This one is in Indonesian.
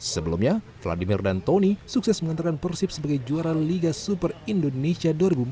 sebelumnya vladimir dan tony sukses mengantarkan persib sebagai juara liga super indonesia dua ribu empat belas